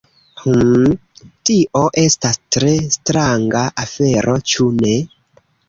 Hmm, tio estas tre stranga afero, ĉu ne?